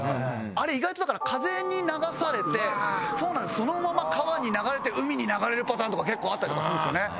あれ意外とだから風に流されてそのまま川に流れて海に流れるパターンとか結構あったりとかするんですよね。